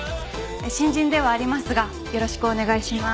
新人ではありますがよろしくお願いします。